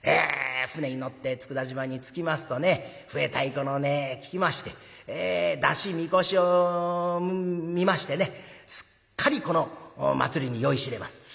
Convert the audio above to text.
舟に乗って佃島に着きますとね笛太鼓の音聞きまして山車神輿を見ましてねすっかりこの祭りに酔いしれます。